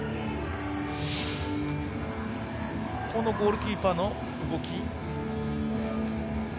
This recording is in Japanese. このゴールキーパーの動き。